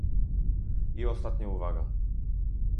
I ostatnia uwaga